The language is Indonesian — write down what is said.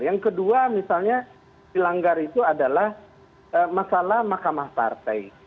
yang kedua misalnya dilanggar itu adalah masalah mahkamah partai